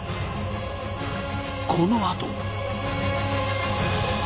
このあと！